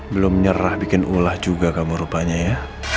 belum nyerah bikin ulah juga kamu rupanya ya